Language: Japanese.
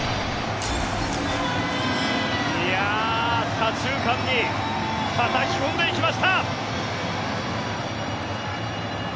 左中間にたたき込んでいきました！